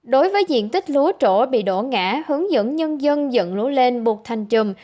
đối với diện tích lúa trổ bị đổ ngã hướng dẫn nhân dân dẫn lúa lên buộc thanh trùm